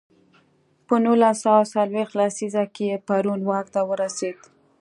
په نولس سوه څلویښت لسیزه کې پېرون واک ته ورسېد.